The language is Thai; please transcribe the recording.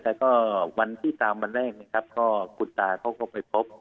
แต่ก็วันที่๓วันแรกก็กุตตาเขาก็ไปพบ